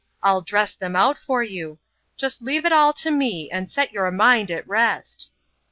Pll dress them out for you — just. leave it all to me, and set your mind at rest."